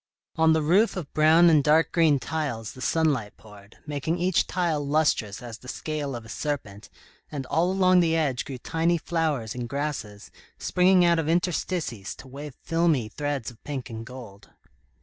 On the roof of brown and dark green tiles, the sunlight poured, making each tile lustrous as the scale of a serpent, and all along the edge grew tiny flowers and grasses, springing out of interstices to wave filmy threads of pink and gold.